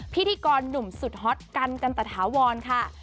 พิธีกรหนุ่มสุดฮอตกันกันตะถาวรค่ะ